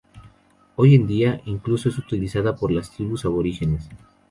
Hoy en día, incluso es utilizada por las tribus aborígenes.